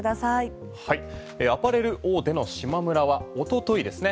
アパレル大手のしまむらは一昨日ですね